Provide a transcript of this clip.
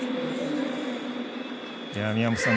宮本さん